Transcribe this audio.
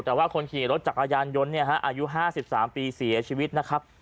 แต่ว่าคนขี่รถจักรยานยนต์เนี่ยฮะอายุ๕๓ปีเสียชีวิตนะครับ